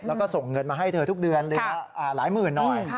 แล้วก็ส่งเงินมาให้เธอทุกเดือนเดือนละหลายหมื่นหน่อย